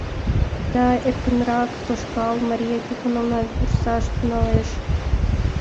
Да эркынрак тошкал — Мария Тихоновна вурсаш тӱҥалеш.